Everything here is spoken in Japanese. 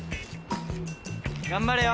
頑張れよ。